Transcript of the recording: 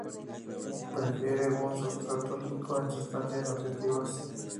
Prefiere un sustrato rico en sustancias nutritivas.